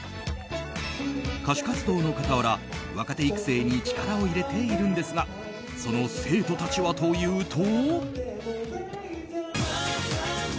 歌手活動の傍ら、若手育成に力を入れているんですがその生徒たちはというと。